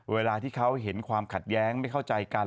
เวลาที่เขาเห็นความขัดแย้งไม่เข้าใจกัน